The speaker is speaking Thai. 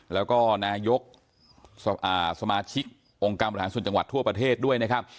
แล้วก็นายกสมาชิกองค์การบริหารส่วนจังหวัดทั่วประเทศด้วยนะครับ